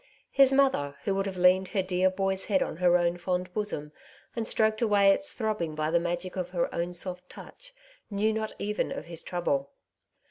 His mother, who would have leaned her dear boy's head on her own fond bosom, and stroked away its throbbing by the magic of her own soft touch, knew not even of his trouble.